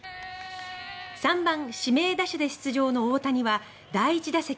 ３番指名打者で出場の大谷は第１打席。